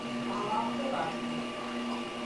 A l'altre barri.